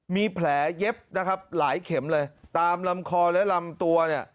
มีแผลเย็บนะครับหลายเข็มเลยตามลำคอและลำตัวเนี่ย